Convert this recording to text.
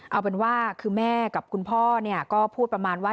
เอาเป็นว่าคือแม่กับคุณพ่อก็พูดประมาณว่า